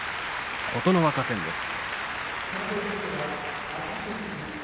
琴ノ若戦です。